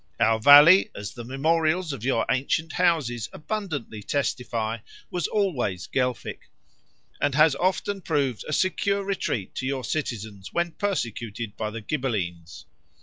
Our valley, as the memorials of your ancient houses abundantly testify, was always Guelphic, and has often proved a secure retreat to your citizens when persecuted by the Ghibellines.